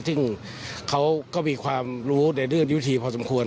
ซึ่งเขาก็มีความรู้ในเรื่องยุธีพอสมควร